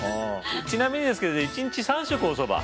ちなみにですけど１日３食おそば？